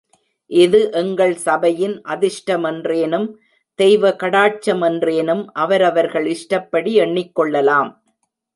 இது எங்கள் சபையின் அதிர்ஷ்ட மென்றேனும், தெய்வ கடாட்சமென்றேனும் அவரவர்கள் இஷ்டப்படி எண்ணிக்கொள்ளலாம்.